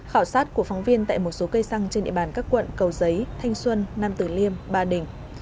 khảo sát của phóng viên tại một số cây xăng trên địa bàn các quận cầu giấy thanh xuân nam tử liêm ba đình